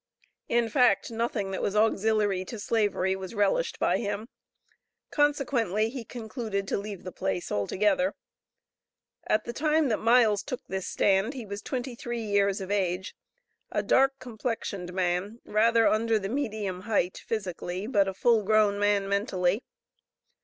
In fact nothing that was auxiliary to Slavery was relished by him. Consequently he concluded to leave the place altogether. At the time that Miles took this stand he was twenty three years of age, a dark complexioned man, rather under the medium height, physically, but a full grown man mentally.